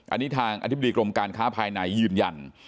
อันนี้ทางอธิบดีกรมการค้าภายในยืนยัน